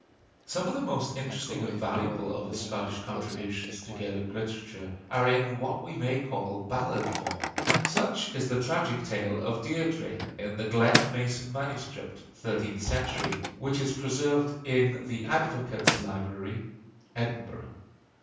Some of the most interesting and valuable of the Scottish contributions to Gaelic literature are in what we may call ballad form. Such is the tragic tale of 'Deirdrê,' in the Glen mason MS. (thirteenth century), which is preserved in the Advocates' Library, Edinburgh.